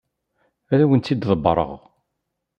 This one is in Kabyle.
Ad awent-tt-id-ḍebbreɣ.